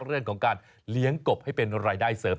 เรื่องของการเลี้ยงกบให้เป็นรายได้เสริม